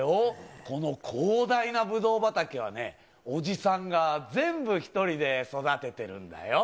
この広大なブドウ畑はね、おじさんが全部１人で育ててるんだよ。